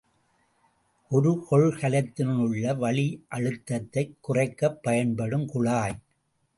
ஒரு கொள்கலத்திலுள்ள வளியழுத்தத்தை குறைக்கப் பயன்படும் குழாய்.